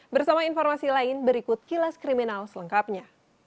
bersama informasi lain berikut kilas kriminal selengkapnya